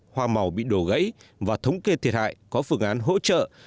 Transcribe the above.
hoa màu bị đổ gãy và thống kê thiệt hại có phương án hỗ trợ